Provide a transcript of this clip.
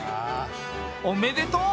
おめでとう！